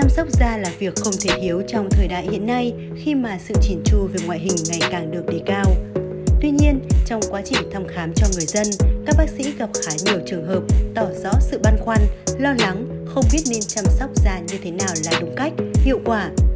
tuy nhiên trong quá trình thăm khám cho người dân các bác sĩ gặp khá nhiều trường hợp tỏ rõ sự băn khoăn lo lắng không biết nên chăm sóc da như thế nào là đúng cách hiệu quả